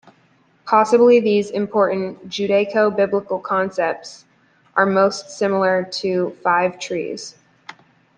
Possibly these important Judaico-Biblical concepts are most similar to "five trees".